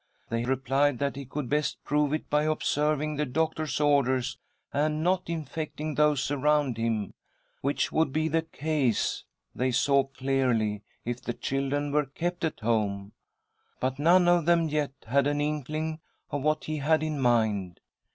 They replied that he could best prove it by observing the doctor's orders, and not infecting those around him, which would be the case, they saw clearly, if the children were kept at home. But none of them yet had an inkling of what he had in mind.